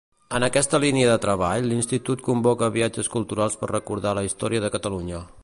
En aquesta línia de treball, l'Institut convoca viatges culturals per recordar la història de Catalunya.